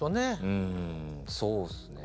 うんそうっすね。